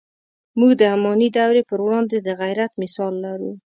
موږ د اماني دورې پر وړاندې د غیرت مثال لرو.